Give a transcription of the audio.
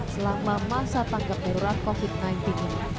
selama masa tangkap peroran covid sembilan belas ini